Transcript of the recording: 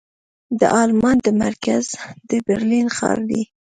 د المان مرکز د برلين ښار دې.